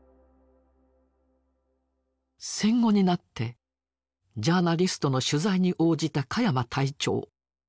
戦後になってジャーナリストの取材に応じた鹿山隊長。